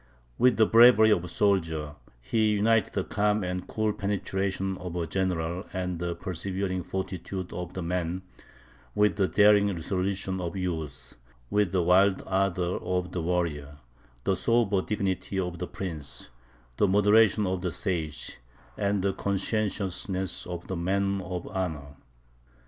With the bravery of the soldier, he united the calm and cool penetration of the general and the persevering fortitude of the man, with the daring resolution of youth; with the wild ardour of the warrior, the sober dignity of the prince, the moderation of the sage, and the conscientiousness of the man of honour.